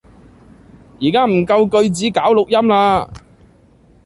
而家唔夠句子搞錄音喇